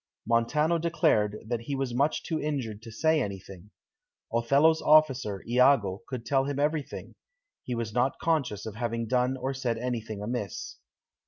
Montano declared that he was too much injured to say anything; Othello's officer, Iago, could tell him everything; he was not conscious of having done or said anything amiss.